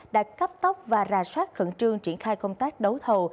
đã cắt tóc và ra soát khẩn trương triển khai công tác đấu thầu